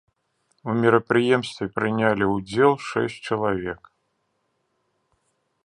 У мерапрыемстве прынялі ўдзел шэсць чалавек.